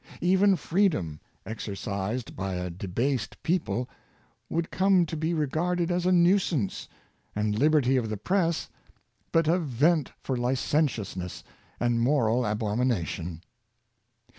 Even freedom, exercised by a debased people, would come to be regarded as a nuisance, and liberty of the press but a vent for licentiousness and moral abomi nation.